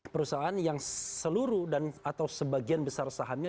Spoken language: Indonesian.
perusahaan yang seluruh dan atau sebagian besar sahamnya